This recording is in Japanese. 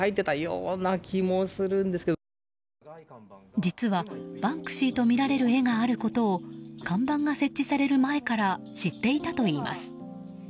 実はバンクシーとみられる絵があることを看板が設置される前から知っていたといいます。